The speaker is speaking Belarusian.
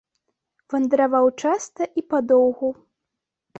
Вандраваў часта і падоўгу.